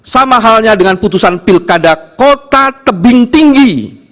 sama halnya dengan putusan pilkada kota tebing tinggi